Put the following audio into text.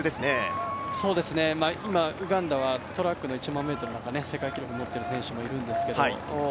ウガンダは、トラックの１００００ｍなんて、世界記録を持っている選手もいるんですけど。